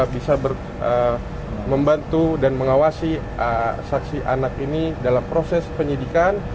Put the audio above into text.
bisa membantu dan mengawasi saksi anak ini dalam proses penyidikan